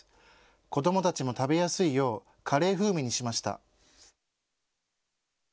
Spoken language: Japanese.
子どもたちも食べやすいようカレー風味にしました。